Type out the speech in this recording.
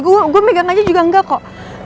gue megang aja juga nggak kok